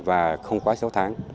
và không quá sáu tháng